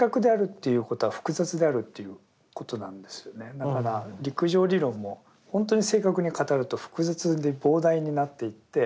だから陸上理論もほんとに正確に語ると複雑で膨大になっていって。